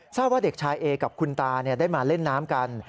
ว่าเด็กชายเอกับคุณตาได้มาเล่นน้ำกัน